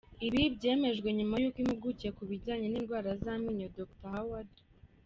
Ibi byemejwe nyuma yuko impuguke ku bijyanye n’indwara z’amenyo Dr Haward R.